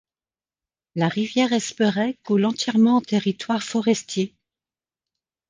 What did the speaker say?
La rivière Esperey coule entièrement en territoire forestier.